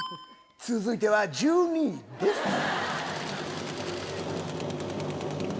続いては１２位です。